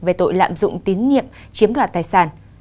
về tội lạm dụng tín nhiệm chiếm đoạt tài sản